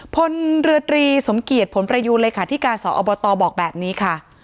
พลเรือตรีสมเกียจผลประยูนเลขาธิการสอบตบอกแบบนี้ค่ะ